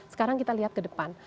sekarang kita lihat ke depan